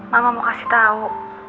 mama mau kasih tau